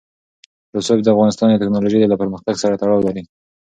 رسوب د افغانستان د تکنالوژۍ له پرمختګ سره تړاو لري.